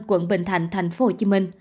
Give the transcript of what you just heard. quận bình thạnh tp hcm